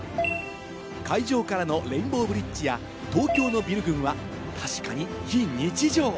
海上からのレインボーブリッジや東京のビル群は確かに非日常。